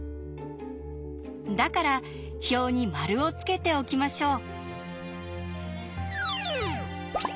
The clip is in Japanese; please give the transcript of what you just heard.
だから表にマルをつけておきましょう。